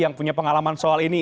yang punya pengalaman soal ini